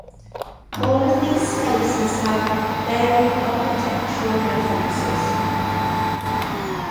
All of these spaces have varied architectural references.